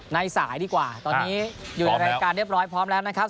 ในสายดีกว่าตอนนี้อยู่ในรายการเรียบร้อยพร้อมแล้วนะครับ